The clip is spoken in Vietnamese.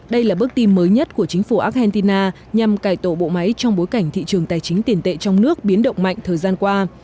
đây là bước tìm mới nhất của chính phủ argentina nhằm cải tổ bộ máy trong bối cảnh thị trường tài chính tiền tệ trong nước biến động mạnh thời gian qua